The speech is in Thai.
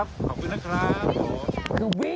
ก่อนหน้านี้ที่ตีปริงปองอ่ะไปแข่งซีเกมอ่ะ